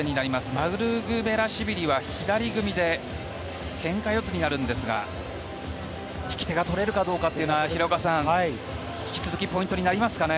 マルクベラシュビリは左組みでけんか四つになるんですが引き手がとれるかどうか引き続きポイントになりますかね。